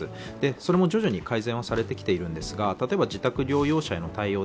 それも徐々に改善はされてきているんですが、例えば自宅療養者への対応。